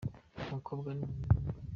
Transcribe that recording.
Umukobwa ni nyampinga.